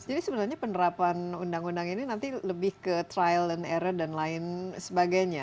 jadi sebenarnya penerapan undang undang ini nanti lebih ke trial and error dan lain sebagainya